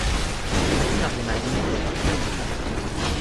Wir suchen noch jemanden, der gut singen kann.